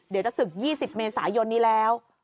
เดี๋ยวจะศึก๒๐เมษายนนี้แล้ว